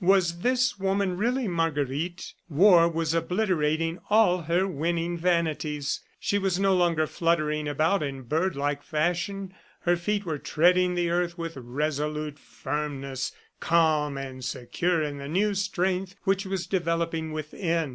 Was this woman really Marguerite? ... War was obliterating all her winning vanities. She was no longer fluttering about in bird like fashion. Her feet were treading the earth with resolute firmness, calm and secure in the new strength which was developing within.